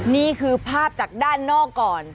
นี่คือภาพจากด้านนอกก่อน